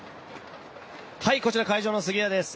こちら会場の杉谷です。